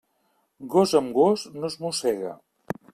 Gos amb gos, no es mossega.